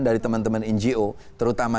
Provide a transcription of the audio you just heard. dari teman teman ngo terutama